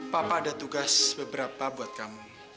papa ada tugas beberapa buat kamu